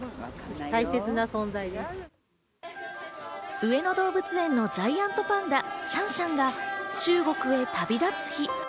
上野動物園のジャイアントパンダ、シャンシャンが中国へ旅立つ日。